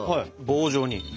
棒状に。